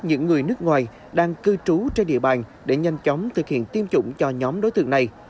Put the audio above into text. những người nước ngoài đang cư trú trên địa bàn để nhanh chóng thực hiện tiêm chủng cho nhóm đối tượng này